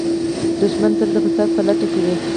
دښمن تل د فرصت په لټه کې وي